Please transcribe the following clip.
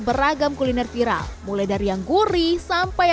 beragam kuliner viral mulai dari yang gurih sampai